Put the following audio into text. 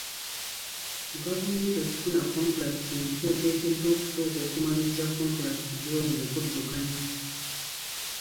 Mu gavumenti okufuna kontulakiti empya oteekeddwa okusooka okumaliriza kontulakiti gy'oli mu kudukanya.